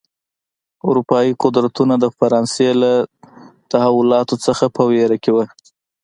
اروپايي قدرتونه د فرانسې له تحولاتو څخه په وېره کې و.